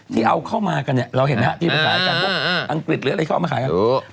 ที่เอาเข้ามากันเนี่ยเราเห็นไหมฮะที่ภาษากันพวกอังกฤษหรืออะไรเข้ามาขายกัน